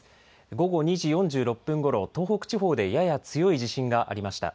午後２時４６分ごろ、東北地方でやや強い地震がありました。